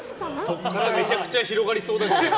そこからめちゃくちゃ広がりそう。